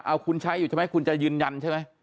เอาคุณใช้อยู่ใช่ไหมคุณจะยืนยันใช่ไหม